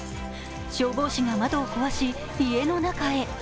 消防士が窓を壊し、家の中へ。